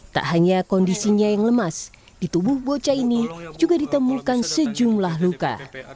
tak hanya kondisinya yang lemas di tubuh bocah ini juga ditemukan sejumlah luka